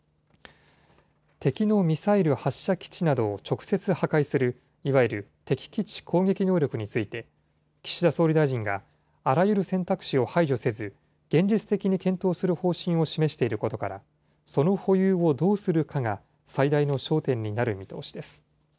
敵のミサイル発射基地などを直接破壊する、いわゆる敵基地攻撃能力について、岸田総理大臣が、あらゆる選択肢を排除せず、現実的に検討する方針を示していることから、その保有をどうするかが最大の焦点になる見通しです。